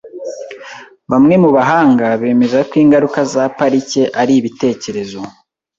Bamwe mu bahanga bemeza ko ingaruka za parike ari ibitekerezo.